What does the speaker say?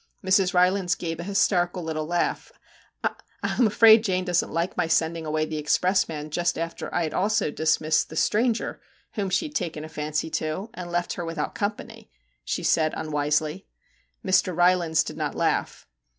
Mrs. Rylands gave an hysterical little laugh. * I am afraid Jane doesn't like my sending away the expressman just after I had also dismissed the stranger whom she had taken a 42 MR. JACK HAMLIN'S MEDIATION fancy to, and left her without company,' she said unwisely. Mr. Rylands did not laugh.